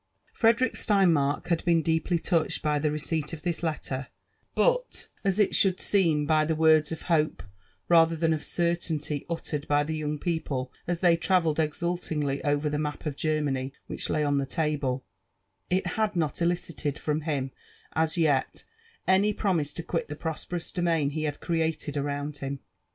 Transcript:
Frederick Sleinmark had been deeply touched by' the receipt of this letter, but, as it should seem by the words of hope rather than of cer tainty uttered by the young people as they travelled exulliqgly over the map of Germany which lay on the table, it had not elicited from him as yet any promise to quit the prosperous domain he bad created around him.